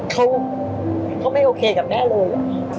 เขาไม่โอเคกับแม่เลย